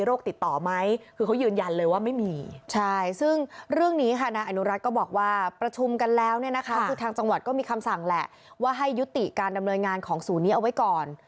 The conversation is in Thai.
แล้วที่เขาบอกว่าเขาต้องการใบรับรองเพราะอะไรรู้ไหม